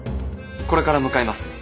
これから向かいます。